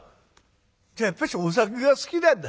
「じゃあやっぱしお酒が好きなんだ」。